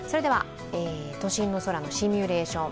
都心の空のシミュレーション